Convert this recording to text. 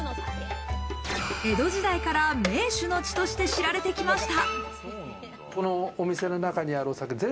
江戸時代から銘酒の地として知られてきました。